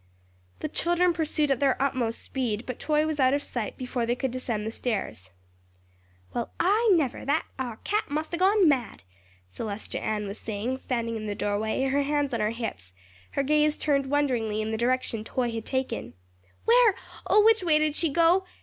The children pursued at their utmost speed, but Toy was out of sight before they could descend the stairs. "Well, I never! that 'ar cat must a gone mad," Celestia Ann was saying, standing in the doorway, her hands on her hips, her gaze turned wonderingly in the direction Toy had taken. "Where? which way did she go?"